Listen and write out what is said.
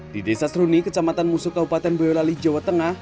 di desa seruni kecamatan musuh kabupaten boyolali jawa tengah